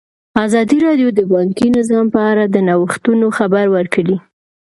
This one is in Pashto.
ازادي راډیو د بانکي نظام په اړه د نوښتونو خبر ورکړی.